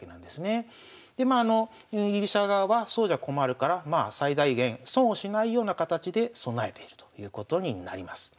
でまあ居飛車側はそうじゃ困るから最大限損をしないような形で備えているということになります。